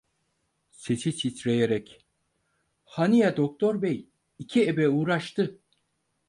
Sesi titreyerek: "Hani ya doktor bey… İki ebe uğraştı…"